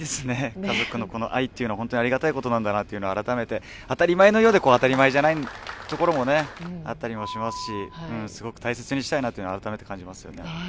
家族の愛というのはありがたいことなんだなって改めて、当たり前のようで当たり前じゃないところもあったりしますけどすごく大切にしたいなというのは改めて感じますよね。